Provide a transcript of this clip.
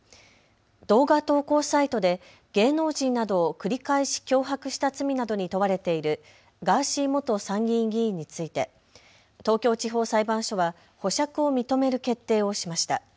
動画投稿サイトで芸能人などを繰り返し脅迫した罪などに問われているガーシー元参議院議員について東京地方裁判所は保釈を認める決定をしました。